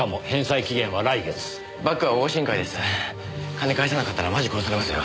金返さなかったらマジ殺されますよ。